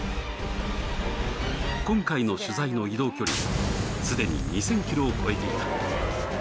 今回の取材の移動距離はすでに２０００ｋｍを超えていた。